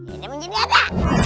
ini menjadi ada